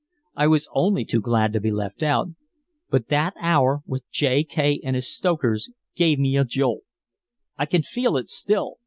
I was only too glad to be left out. But that hour with J. K. and his stokers gave me a jolt. I can feel it still.